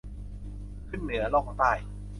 ขึ้นเหนือล่องใต้